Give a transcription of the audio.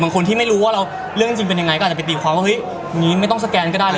คนที่ไม่รู้ว่าเราเรื่องจริงเป็นยังไงก็อาจจะไปตีความว่าเฮ้ยอย่างนี้ไม่ต้องสแกนก็ได้เลย